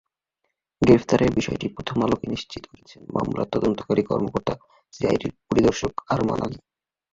গ্রেপ্তারের বিষয়টি প্রথম আলোকে নিশ্চিত করেছেন মামলার তদন্তকারী কর্মকর্তা সিআইডির পরিদর্শক আরমান আলী।